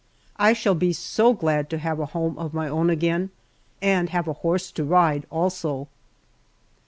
I shall be so glad to have a home of my own again, and have a horse to ride also.